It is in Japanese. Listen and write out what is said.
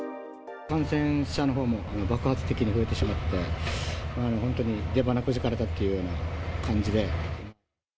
感染者のほうも爆発的に増えてしまって、本当に出ばなくじかれたっていうような感じで。